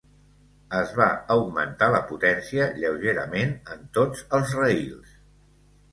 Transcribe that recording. Es va augmentar la potència lleugerament en tots els raïls.